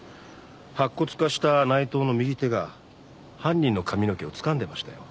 白骨化した内藤の右手が犯人の髪の毛をつかんでましたよ。